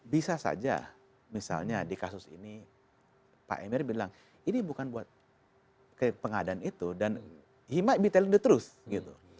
bisa saja misalnya di kasus ini pak emery bilang ini bukan buat ke pengadaan itu dan himat bitalin the truth gitu